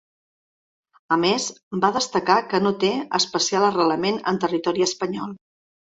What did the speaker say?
A més, va destacar que no té “especial arrelament en territori espanyol”.